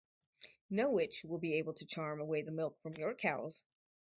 No witch will be able to charm away the milk from your cows.